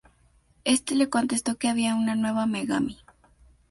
Este le contestó que había una nueva Megami.